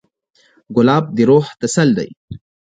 ګلاب د روح تسل دی.